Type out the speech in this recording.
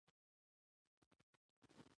موږ د خپلو اهدافو لپاره پلان جوړوو.